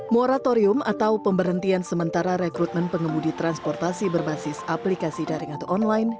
moratorium atau pemberhentian sementara rekrutmen pengemudi transportasi berbasis aplikasi daring atau online